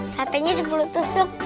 satenya sepuluh tusuk